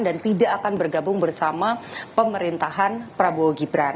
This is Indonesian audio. dan tidak akan bergabung bersama pemerintahan prabowo gibran